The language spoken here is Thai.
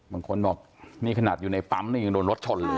บางคนบอกนี่ขนาดอยู่ในปั๊มนี่ยังโดนรถชนเลย